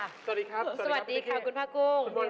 สวัสดีครับคุณพระกุ้ง